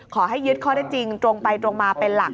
ขอให้ยึดข้อได้จริงตรงไปตรงมาเป็นหลัก